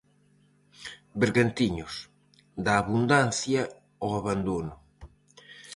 Bergantiños, da abundancia ao abandono.